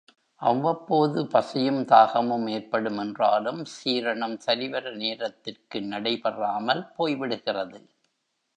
அவ்வப்பொழுது பசியும் தாகமும் ஏற்படும் என்றாலும் சீரணம் சரிவர நேரத்திற்கு நடைபெறாமல் போய்விடுகிறது.